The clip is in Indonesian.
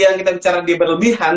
yang kita bicara dia berlebihan